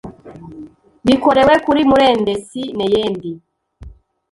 bikorewe kuri murendesi n’eyendi.